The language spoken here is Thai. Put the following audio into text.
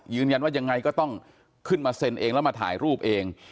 ยังไงก็ต้องขึ้นมาเซ็นเองแล้วมาถ่ายรูปเอง